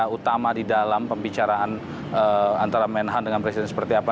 tidak jelas sama di dalam pembicaraan antara menhan dengan presiden seperti apa